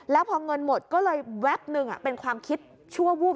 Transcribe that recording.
แล้วพอเงินหมดก็เลยแวบหนึ่งเป็นความคิดชั่ววูบ